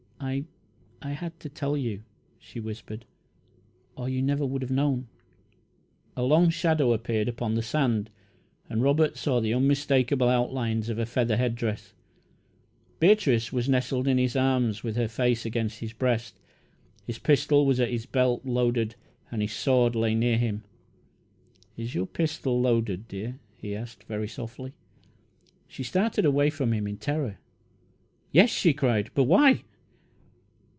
"I I had to tell you," she whispered, "or you never would have known." A long shadow appeared upon the sand, and Robert saw the unmistakable outlines of a feather head dress. Beatrice was nestled in his arms, with her face against his breast. His pistol was at his belt, loaded, and his sword lay near him. "Is your pistol loaded, dear?" he asked, very softly. She started away from him in terror. "Yes," she cried; "but why?"